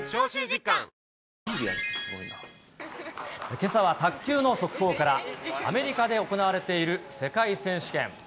けさは、卓球の速報から、アメリカで行われている世界選手権。